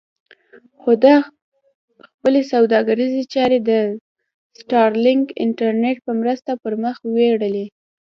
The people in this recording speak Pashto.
خو ده خپلې سوداګریزې چارې د سټارلېنک انټرنېټ په مرسته پر مخ وړلې.